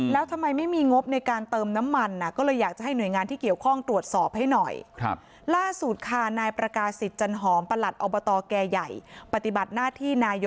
แล้วทำไมไม่มีงบในการเติมน้ำมันก็เลยอยากจะให้หน่วยงานที่เกี่ยวข้องตรวจสอบให้หน่อย